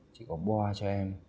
chị có bò cho em